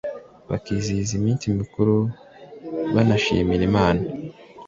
bakizihiza iminsi mikuru banashima Imana